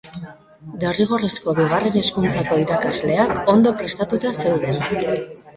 Derrigorrezko Bigarren Hezkuntzako irakasleak ondo prestatuta zeuden.